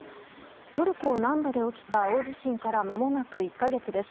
トルコ南部で起きた大地震からまもなく１か月です。